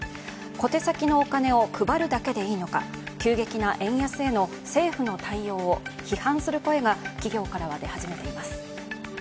小手先のお金を配るだけでいいのか、急激な円安への政府の対応を批判する声が企業からは出始めています。